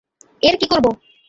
এর কী করবো?